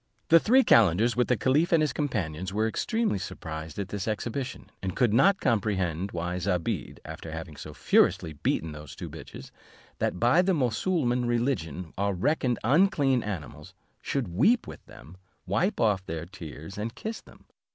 The three calenders, with the caliph and his companions, were extremely surprised at this exhibition, and could not comprehend why Zobeide, after having so furiously beaten those two bitches, that by the moosulman religion are reckoned unclean animals, should weep with them, wipe off their tears, and kiss them.